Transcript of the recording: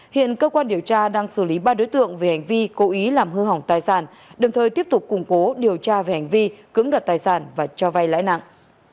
hiện cơ quan điều tra đang xử lý ba đối tượng về hành vi cố ý làm hư hỏng tài sản đồng thời tiếp tục củng cố điều tra về hành vi cưỡng đoạt tài sản và cho vay lãi nặng